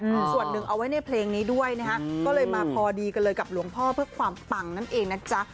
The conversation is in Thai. อืมส่วนหนึ่งเอาไว้ในเพลงนี้ด้วยนะฮะก็เลยมาพอดีกันเลยกับหลวงพ่อเพื่อความปังนั่นเองนะจ๊ะ